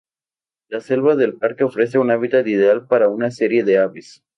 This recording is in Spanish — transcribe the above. La selva del parque ofrece un hábitat ideal para una serie de aves.